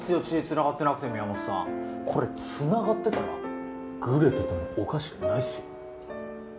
血つながってなくて宮本さんこれつながってたらグレててもおかしくないっすよ